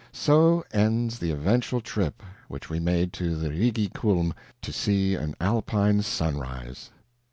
So ends the eventual trip which we made to the Rigi Kulm to see an Alpine sunrise.